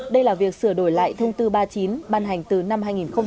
đây là việc sửa đổi lại thông tư ba mươi chín ban hành từ năm hai nghìn một mươi